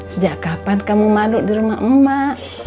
sejak kapan kamu malu di rumah emak emak